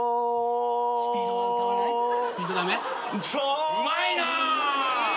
うまいなあ！